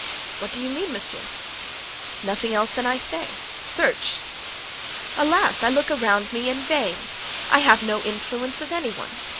"What do you mean, monsieur?" "Nothing else than I say—search." "Alas, I look around me in vain! I have no influence with any one.